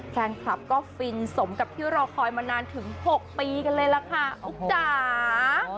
แฟนคลับก็ฟินสมกับที่รอคอยมานานถึง๖ปีกันเลยล่ะค่ะอุ๊กจ๋า